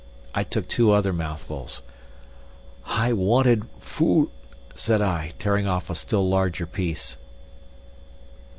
I took two other mouthfuls. "I wanted—foo'!" said I, tearing off a still larger piece....